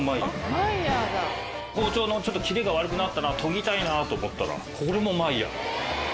包丁の切れが悪くなったな研ぎたいなと思ったらこれもマイヤー。